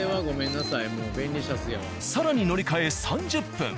更に乗り換え３０分。